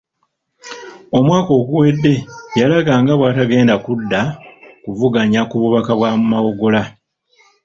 Omwaka oguwedde yalaga nga bw'atagenda kudda kuvuganya ku bubaka bwa Mawogola.